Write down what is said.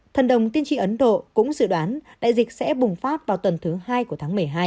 thần đồng tin trị ấn độ cũng dự đoán đại dịch sẽ bùng phát vào tuần thứ hai của tháng một mươi hai